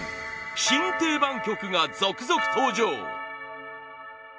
新定番曲が続々登場！